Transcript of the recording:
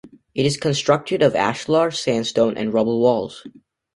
It is constructed of ashlar, sandstone and rubble walls.